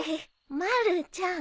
まるちゃん。